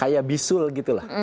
kayak bisul gitu lah